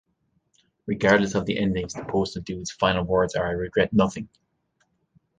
Regardless of the endings, the Postal Dude's final words are I regret nothing!